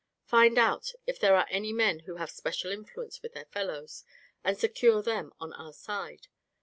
Find out if there are any men who have special influence with their fellows, and secure them on our side.